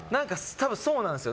多分、そうなんですよ。